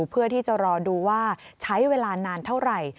เพื่อที่จะรอดูว่าใช้เวลานานเท่าไหร่